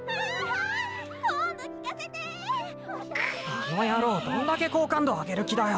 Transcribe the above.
あのヤロウどんだけ好感度上げる気だよ！！